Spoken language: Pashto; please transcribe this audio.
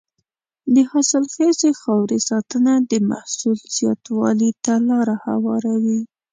د حاصلخیزې خاورې ساتنه د محصول زیاتوالي ته لاره هواروي.